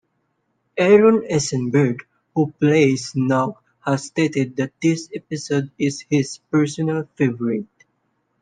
Aron Eisenberg, who plays Nog, has stated that this episode is his personal favorite.